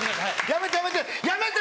やめてやめて！